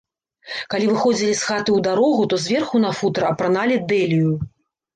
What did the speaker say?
Калі выходзілі з хаты ў дарогу, то зверху на футра апраналі дэлію.